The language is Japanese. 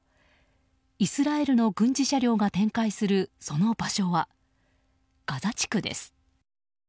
イスラエルの軍事車両が展開するその場所はガザ地区です。